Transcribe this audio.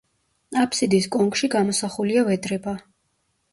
აფსიდის კონქში გამოსახულია ვედრება.